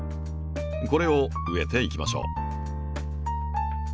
これを植えていきましょう。